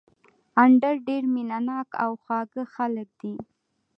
اندړ ډېر مېنه ناک او خواږه خلک دي